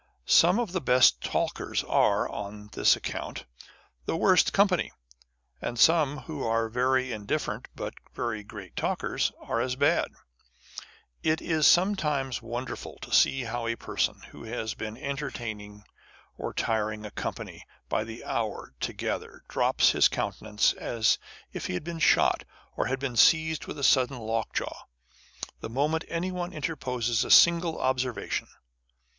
Some of the best talkers are, on this account, the worst company ; and some who are very indifferent, but very great talkers, are as bad. It is sometimes wonderful to see how a person, who has been entertaining or tiring a company by the hour together, drops his countenance as if he had been shot, or had been seized with a sudden lockjaw, the moment anyone interposes a single observa tion.